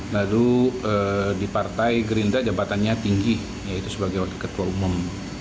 lalu di partai gerindra jabatannya tinggi yaitu sebagai wakil ketua umum